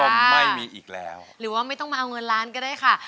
ผมไม่มีอีกแล้วหรือว่าไม่ต้องมาเอาเงินล้านก็ได้ค่ะ